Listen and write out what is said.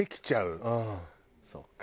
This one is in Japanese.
そっか。